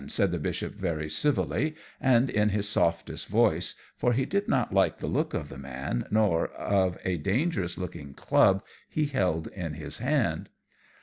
said the Bishop very civilly, and in his softest voice, for he did not like the look of the man, nor of a dangerous looking club he held in his hand.